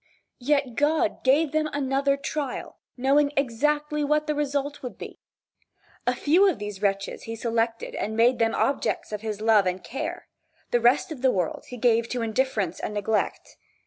Yet God gave them another trial, knowing exactly what the result would be. A few of these wretches he selected and made them objects of his love and care, the rest of the world he gave to indifference and neglect.